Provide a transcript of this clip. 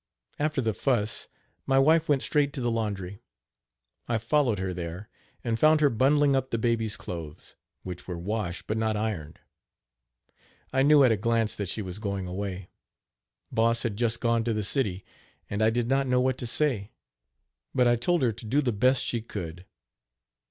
After the fuss, my wife went straight to the laundry. I followed her there, and found her bundling up her babies' clothes, which were washed but not ironed. I knew at a glance that she was going away. Boss had just gone to the city; and I did not know what to say, but I told her to do the best she could.